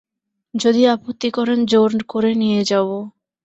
যদি আপত্তি করেন জোর করে নিয়ে যাব।